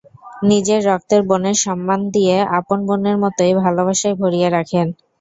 নিজের রক্তের বোনের সম্মান দিয়ে আপন বোনের মতোই ভালোবাসায় ভরিয়ে রাখেন।